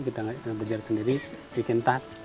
kita belajar sendiri bikin tas